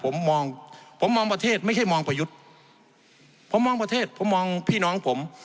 ผมมองผมมองประเทศไม่ใช่มองประยุทธ์ผมมองประเทศผมมองพี่น้องผม